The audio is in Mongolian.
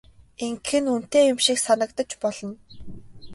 Ингэх нь үнэтэй юм шиг санагдаж болно.